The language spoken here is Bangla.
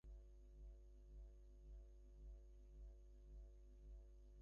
কিন্তু দুই দফা সময় বাড়ানোর পরও কাজ শেষ করতে পারেনি প্রতিষ্ঠানটি।